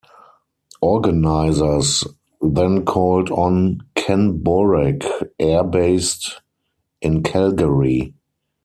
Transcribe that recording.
Organizers then called on Kenn Borek Air based in Calgary.